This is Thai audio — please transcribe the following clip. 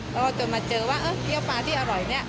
แล้วก็จะมาเจอว่าเกี๊ยวปลาที่อร่อย